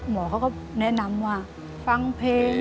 หมอเขาก็แนะนำว่าฟังเพลง